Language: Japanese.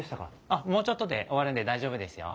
あっもうちょっとで終わるんで大丈夫ですよ。